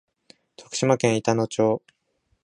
徳島県板野町